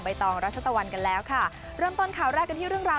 ตองรัชตะวันกันแล้วค่ะเริ่มต้นข่าวแรกกันที่เรื่องราว